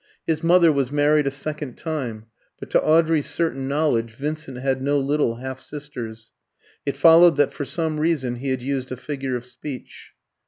His mother was married a second time, but to Audrey's certain knowledge Vincent had no little half sisters; it followed that for some reason he had used a figure of speech.